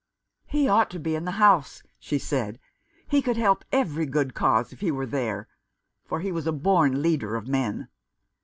" He ought to be in the House," she said. " He could help every good cause if he were there — for he is a born leader of men.